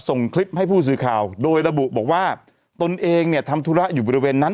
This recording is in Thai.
ส่งคลิปให้ผู้สื่อข่าวโดยระบุบอกว่าตนเองเนี่ยทำธุระอยู่บริเวณนั้น